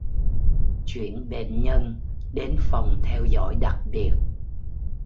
Chuyển bệnh nhân đến phòng theo dõi đặc biệt